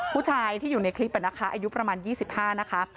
ผู้ชายที่อยู่ในคลิปนะคะอายุประมาณ๒๕นะคะ